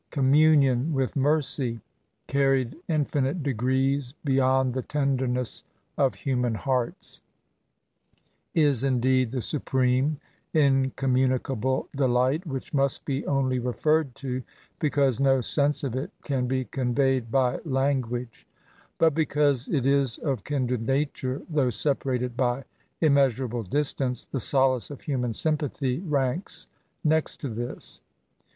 Communion with ^ Mercy, cauried infinite degrees Beyond the tenderaeas of human hearts," is^ indeed^ the supreme^ incommunicable delight which must be only referred to^ because no sense of it can be conveyed by language ; but, becaxise i^ is of kindred nature, though separated by immea surable distance, the solace of human sympathy ranks next to this.